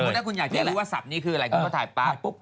ถ้าคุณอยากจะรู้ว่าศัพท์นี้คืออะไรคุณก็ถ่ายไปปุ๊บ